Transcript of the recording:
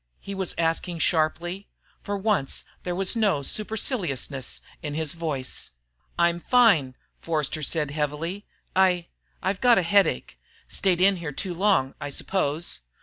he was asking sharply. For once, there was no superciliousness in his voice. "I'm fine," Forster said heavily. "I I've got a headache. Stayed in here too long, I suppose."